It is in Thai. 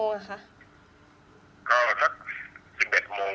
คุณพ่อได้จดหมายมาที่บ้าน